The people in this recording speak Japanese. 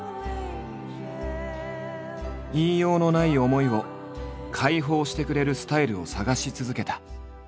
言いようのない思いを解放してくれるスタイルを探し続けた。